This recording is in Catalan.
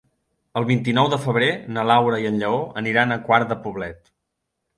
El vint-i-nou de febrer na Laura i en Lleó aniran a Quart de Poblet.